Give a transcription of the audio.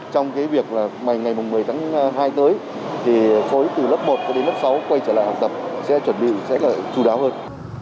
trong cái việc là ngày một mươi tháng hai tới thì khối từ lớp một cho đến lớp sáu quay trở lại học tập sẽ chuẩn bị sẽ là chú đáo hơn